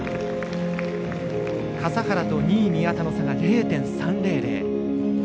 笠原と２位宮田の差が０．３００。